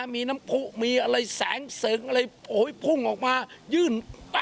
มีน้ำผู้มีอะไรแสงเสริงอะไรพุ่งออกมายื่น